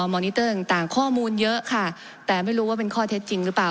มอนิเตอร์ต่างข้อมูลเยอะค่ะแต่ไม่รู้ว่าเป็นข้อเท็จจริงหรือเปล่า